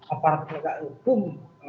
aparat lega hukum